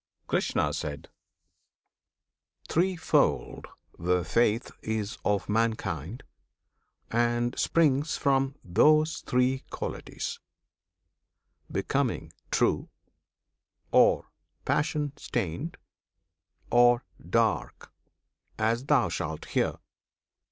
Krishna. Threefold the faith is of mankind and springs From those three qualities, becoming "true," Or "passion stained," or "dark," as thou shalt hear!